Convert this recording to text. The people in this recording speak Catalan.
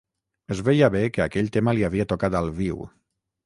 Es veia bé que aquell tema li havia tocat al viu.